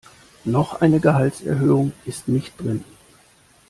Noch eine Gehaltserhöhung ist nicht drin.